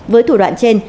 với thủ đoạn trên